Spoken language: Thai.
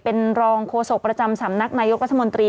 เป็นรองโฆษกประจำสำนักนายกรัฐมนตรี